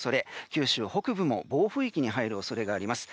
九州北部も暴風域に入る恐れがあります。